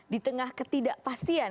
di tengah ketidakpastian